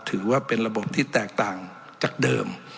ถือว่าเป็นระบบที่แตกต่างจากเดิม